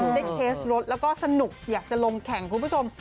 เคสรถแล้วก็สนุกอยากจะลงแข่งคุณผู้ชม